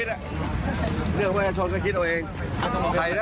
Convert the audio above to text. เตรียมอะไรล่ะผมทำงานมา๕ปีไม่ต้องเตรียมอะไรแล้ว